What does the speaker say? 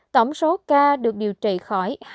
tổng số ca được điều trị khỏi bệnh